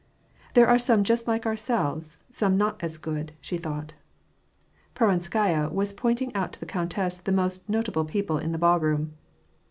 " There are some just like ourselves, and some not as good," she thought. Peronskaya was pointing out to the countess the most not able people in the ballroom.